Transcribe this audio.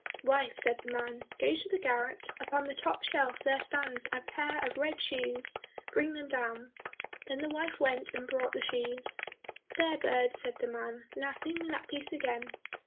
"Wife," said the man, "go to the garret, upon the top shelf there stands a pair of red shoes, bring them down." Then the wife went and brought the shoes. "There, bird," said the man, "now sing me that piece again."